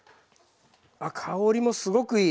あ香りもすごくいい。